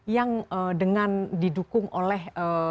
yang dengan didukung oleh